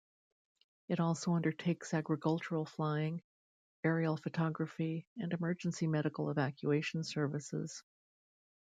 It also undertakes agricultural flying, aerial photography and emergency medical evacuation services.